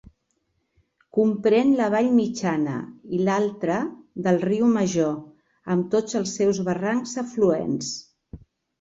Comprèn la vall mitjana i altra del Riu Major, amb tots els seus barrancs afluents.